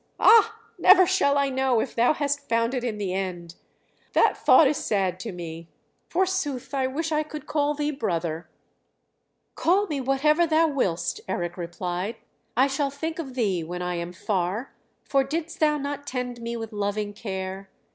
Ah! never shall I know if thou hast found it in the end! That thought is sad to me. Forsooth, I wish I could call thee brother!" "Call me whatever thou willst," Eric replied. "I shall think of thee when I am far; for didst thou not tend me with loving care?